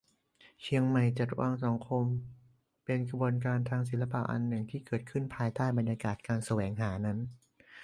"เชียงใหม่จัดวางสังคม" เป็นขบวนการทางศิลปะอันหนึ่งที่เกิดขึ้นภายใต้บรรยากาศการแสวงหานั้น